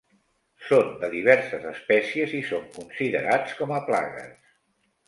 Són de diverses espècies i són considerats com a plagues.